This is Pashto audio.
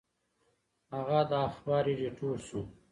هغه د اخبار ایډیټور شو.